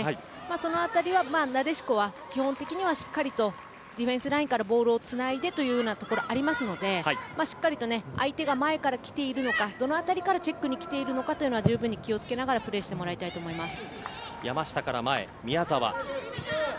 その辺りは、なでしこは基本的にはしっかりとディフェンスラインからボールをつないでというところがありますのでしっかりと、相手が前から来ているのかどの辺りからチェックに来ているのかを十分に気を付けながらプレーしてもらいたいと思います。